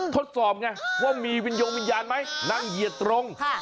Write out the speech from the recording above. ทดสอบไงว่ามีวิญญาณมั้ยนั่งเยียร์ตรง